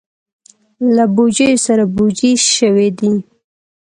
له بوجیو سره بوجۍ شوي دي.